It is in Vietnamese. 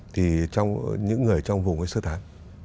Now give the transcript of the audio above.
thì trong những người trong vùng ấy sơ tán